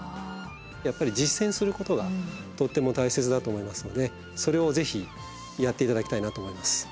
やっぱり実践することがとっても大切だと思いますのでそれをぜひやって頂きたいなと思います。